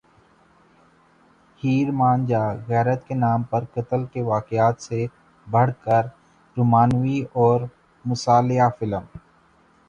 ہیر مان جا غیرت کے نام پر قتل کے واقعات سے بڑھ کر رومانوی اور مصالحہ فلم